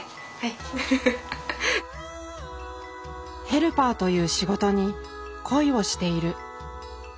ヘルパーという仕事に恋をしている。